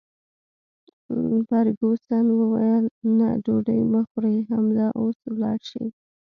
فرګوسن وویل: نه، ډوډۍ مه خورئ، همدا اوس ولاړ شئ.